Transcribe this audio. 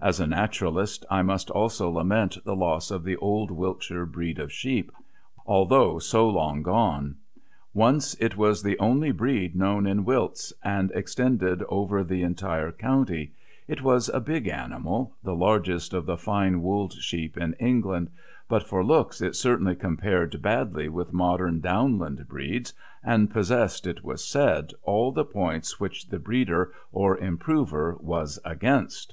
As a naturalist I must also lament the loss of the old Wiltshire breed of sheep, although so long gone. Once it was the only breed known in Wilts, and extended over the entire county; it was a big animal, the largest of the fine woolled sheep in England, but for looks it certainly compared badly with modern downland breeds and possessed, it was said, all the points which the breeder, or improver, was against.